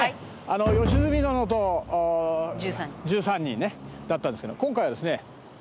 「良純殿の１３人」だったんですけど今回はですね。